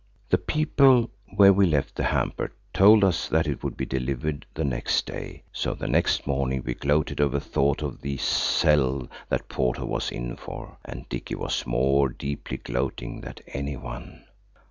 The people where we left the hamper told us that it would be delivered next day. So next morning we gloated over thought of the sell that porter was in for, and Dicky was more deeply gloating than any one.